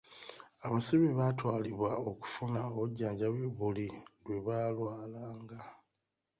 Abasibe baatwalibwa okufuna obujjanjabi buli lwe balwalanga.